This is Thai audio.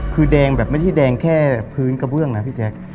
คือแดงแบบไม่ใช่แดงแค่พื้นกระเบื้องนะพี่แจ๊ค